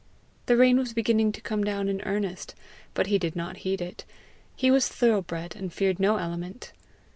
The rain was beginning to come down in earnest, but he did not heed it; he was thoroughbred, and feared no element.